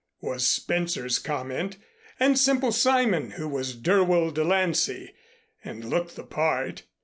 was Spencer's comment) and Simple Simon, who was Dirwell De Lancey (and looked the part).